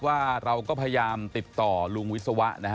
ว่าเราก็พยายามติดต่อลุงวิศวะนะฮะ